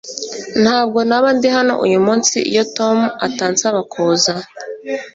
Ntabwo naba ndi hano uyumunsi iyo Tom atansaba kuza